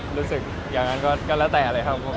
รู้สึกอย่างนั้นก็แล้วแต่เลยครับผม